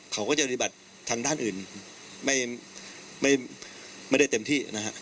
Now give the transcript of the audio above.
เขาก็จะปฏิบัติทางด้านอื่นไม่ได้เต็มที่นะฮะ